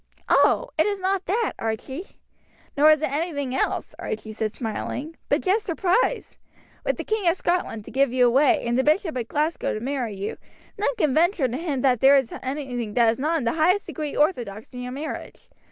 "Oh! it is not that, Archie." "Nor is it anything else," Archie said smiling, "but just surprise. With the King of Scotland to give you away and the Bishop of Glasgow to marry you, none can venture to hint that there is anything that is not in the highest degree orthodox in your marriage.